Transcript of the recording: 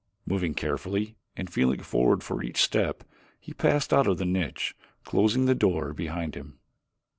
Moving carefully and feeling forward for each step he passed out of the niche, closing the door behind him.